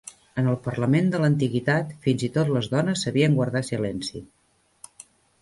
En el parlament de l'antiguitat, fins i tot les dones sabien guardar silenci.